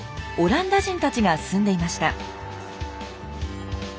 オランダ人たちが住んでいました。